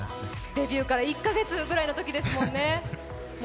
デビューから１か月くらいの時ですもんね。